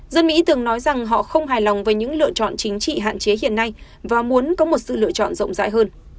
dân mỹ thường nói rằng họ không hài lòng với những lựa chọn chính trị hạn chế hiện nay và muốn có một sự lựa chọn rộng rãi hơn